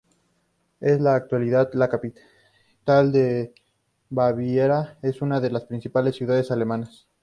En la actualidad, la capital de Baviera es una de las principales ciudades alemanas.